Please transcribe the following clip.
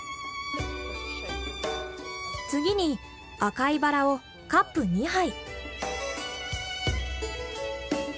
次に赤いバラをカップ２杯。